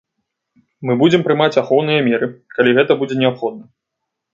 Мы будзем прымаць ахоўныя меры, калі гэта будзе неабходна.